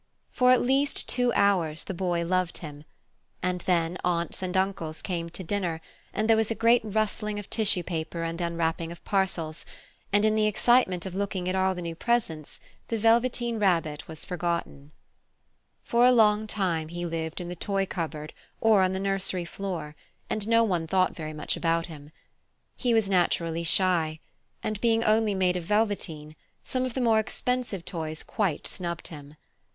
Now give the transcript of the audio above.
For at least two hours the Boy loved him, and then Aunts and Uncles came to dinner, and there was a great rustling of tissue paper and unwrapping of parcels, and in the excitement of looking at all the new presents the Velveteen Rabbit was forgotten. Christmas Morning For a long time he lived in the toy cupboard or on the nursery floor, and no one thought very much about him. He was naturally shy, and being only made of velveteen, some of the more expensive toys quite snubbed him.